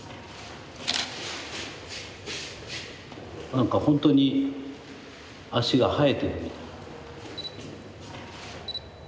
何かほんとに足が生えてるみたい。